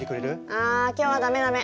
ああ今日はダメダメ。